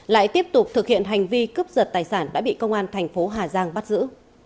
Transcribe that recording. lại tiếp tục thực hiện hành vi cướp giật tài sản đã bị công an thành phố hà giang bắt giữ